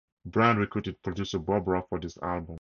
Bryan recruited producer Bob Rock for this album.